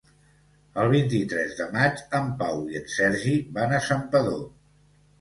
El vint-i-tres de maig en Pau i en Sergi van a Santpedor.